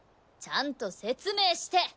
ちゃんと説明して！